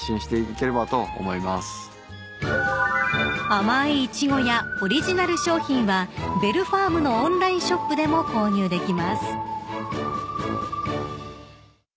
［甘いイチゴやオリジナル商品はＢＥＬＬＦＡＲＭのオンラインショップでも購入できます］